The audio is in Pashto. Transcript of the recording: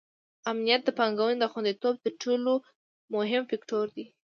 امنیت د پانګونې د خونديتوب تر ټولو مهم فکتور دی.